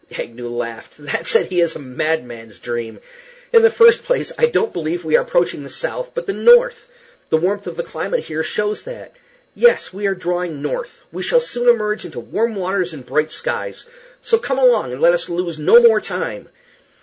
Agnew laughed. "That," said he, "is a madman's dream. In the first place, I don't believe that we are approaching the south, but the north. The warmth of the climate here shows that. Yes, we are drawing north. We shall soon emerge into warm waters and bright skies. So come along, and let us lose no more time."